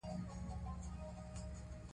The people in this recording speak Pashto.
ډاکټران وايي ټولنیز وصل مهم دی.